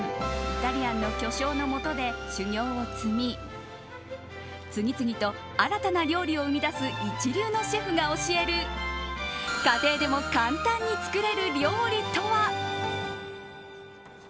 イタリアンの巨匠のもとで修業を積み次々と新たな料理を生み出す一流のシェフが教える家庭でも簡単に作れる料理とは。